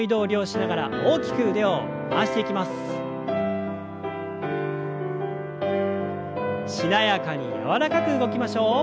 しなやかに柔らかく動きましょう。